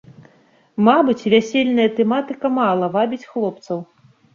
Мабыць, вясельная тэматыка мала вабіць хлопцаў.